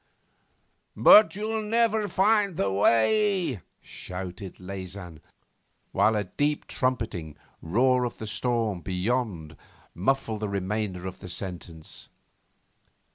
'But you'll never find the way,' shouted Leysin, while a deep trumpeting roar of the storm beyond muffled the remainder of the sentence.